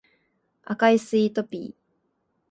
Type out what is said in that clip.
赤いスイートピー